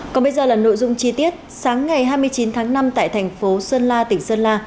còn bây giờ là nội dung chi tiết sáng ngày hai mươi chín tháng năm tại thành phố sơn la tỉnh sơn la